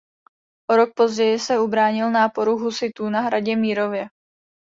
O rok později se ubránil náporu husitů na hradě Mírově.